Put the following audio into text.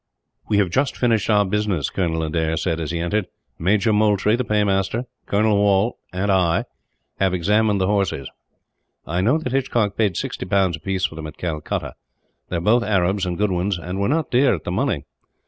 "We have just finished your business," Colonel Adair said, as he entered. "Major Moultrie, the paymaster, Colonel Watt, and myself have examined the horses. I know that Hitchcock paid sixty pounds apiece for them, at Calcutta. They are both Arabs, and good ones, and were not dear at the money.